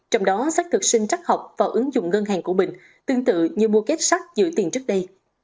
trong đó sách thực sinh trắc học và ứng dụng ngân hàng của mình tương tự như mua két sách giữ tiền trước đây